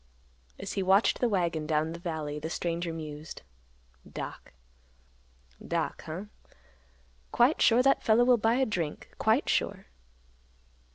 As he watched the wagon down the valley, the stranger mused. "Doc—Doc—huh. Quite sure that fellow will buy a drink; quite sure."